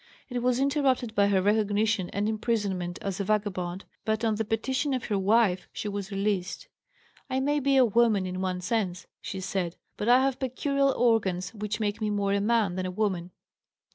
It was interrupted by her recognition and imprisonment as a vagabond, but on the petition of her "wife" she was released. "I may be a woman in one sense," she said, "but I have peculiar organs which make me more a man than a woman."